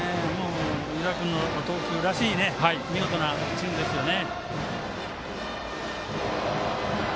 湯田君の投球らしい見事なピッチングですよね。